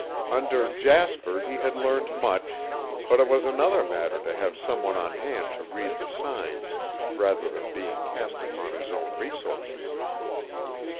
Under Jasper he had learned much, but it was another matter to have some one on hand to read the signs rather than being cast upon his own resources.